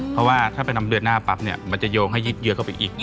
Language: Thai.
เพราะว่าถ้าไปนำเดือนหน้าปั๊บมันจะโยงให้ยึดเยอะเข้าไปอีก